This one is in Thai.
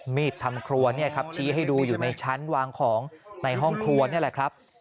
มีดทำครัวเนี่ยครับชี้ให้ดูอยู่ในชั้นวางของในห้องครัวนี่แหละครับ